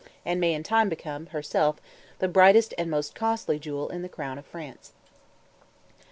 ] and may in time become, herself, the brightest and most costly jewel in the crown of France.